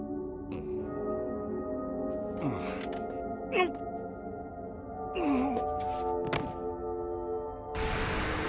うっうう。